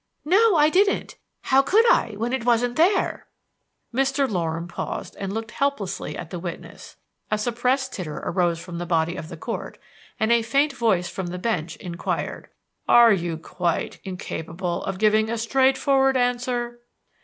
"No, I didn't. How could I when it wasn't there?" Mr. Loram paused and looked helplessly at the witness; a suppressed titter arose from the body of the Court, and a faint voice from the bench inquired: "Are you quite incapable of giving a straightforward answer?"